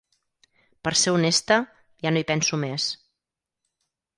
Per ser honesta, ja no hi penso més.